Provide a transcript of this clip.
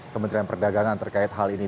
kementerian perdagangan terkait hal ini